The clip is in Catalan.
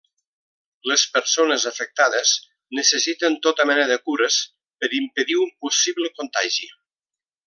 Les persones afectades necessiten tota mena de cures per impedir un possible contagi.